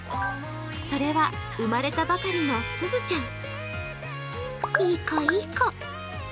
それは、生まれたばかりのすずちゃん。